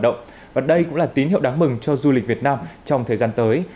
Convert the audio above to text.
động và đây cũng là tín hiệu đáng mừng cho du lịch việt nam trong thời gian tới